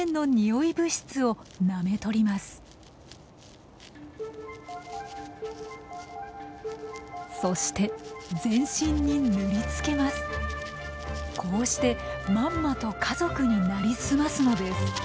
こうしてまんまと家族に成り済ますのです。